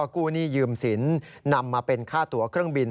กู้หนี้ยืมสินนำมาเป็นค่าตัวเครื่องบิน